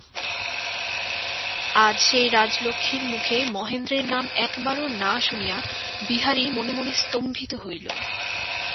আজ সেই রাজলক্ষ্মীর মুখে মহেন্দ্রের নাম একবারও না শুনিয়া বিহারী মনে মনে স্তম্ভিত হইল।